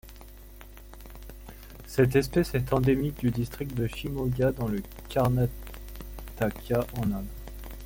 Cette espèce est endémique du district de Shimoga dans le Karnataka en Inde.